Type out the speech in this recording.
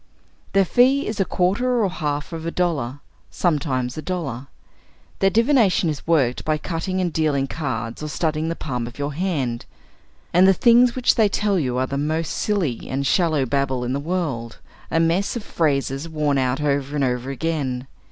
Their fee is a quarter or half of a dollar. Sometimes a dollar. Their divination is worked by cutting and dealing cards or studying the palm of your hand. And the things which they tell you are the most silly and shallow babble in the world; a mess of phrases worn out over and over again.